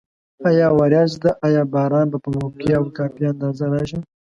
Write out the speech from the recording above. آیا وریځ ده؟ آیا باران به په موقع او کافي اندازه راشي؟